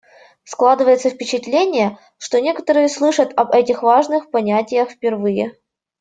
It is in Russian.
Складывается впечатление, что некоторые слышат об этих важных понятиях впервые.